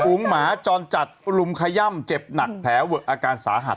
หมาจรจัดรุมขย่ำเจ็บหนักแผลเวอะอาการสาหัส